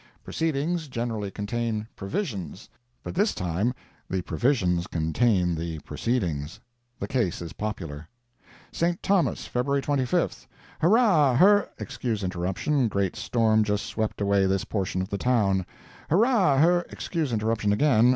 Proceedings generally contain "provisions," but this time the provisions contain the proceedings. The case is peculiar. St. Thomas, Feb. 25. Hurrah! hur— [Excuse interruption. Great storm just swept away this portion of the town.] Hurrah! hur— [Excuse interruption again.